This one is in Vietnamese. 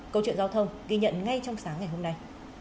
câu chuyện giao thông ghi nhận ngay trong sáng ngày hôm nay